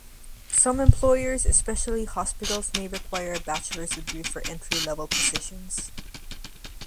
Some employers, especially hospitals, may require a bachelor's degree for entry level positions.